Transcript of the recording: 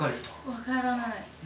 分からない。